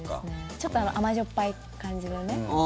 ちょっと甘じょっぱい感じのね。